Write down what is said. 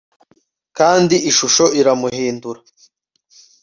Kandi ishusho iramuhindura